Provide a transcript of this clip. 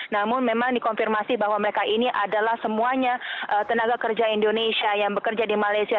namun memang dikonfirmasi bahwa mereka ini adalah semuanya tenaga kerja indonesia yang bekerja di malaysia